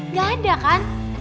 nggak ada kan